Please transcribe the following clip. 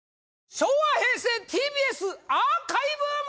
昭和平成ＴＢＳアーカイブ祭！